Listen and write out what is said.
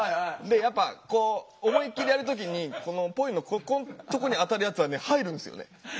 でやっぱこう思いっきりやる時にこのポイのここんとこに当たるやつは入るんですよね。